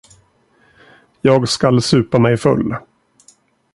Jag skall supa mig full.